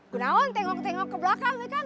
kunaon tengok tengok ke belakang deh kang